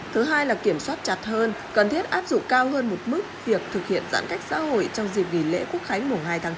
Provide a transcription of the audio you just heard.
thứ hai là kiểm soát chặt hơn cần thiết áp dụng cao hơn một mức việc thực hiện giãn cách xã hội trong dịp nghỉ lễ quốc khánh mùng hai tháng chín